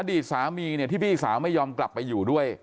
อดีตสามีเนี่ยที่พี่สาวไม่ยอมกลับไปอยู่ด้วย